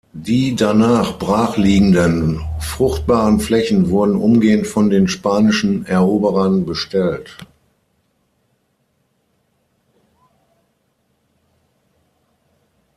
Die danach brachliegenden, fruchtbaren Flächen wurden umgehend von den spanischen Eroberern bestellt.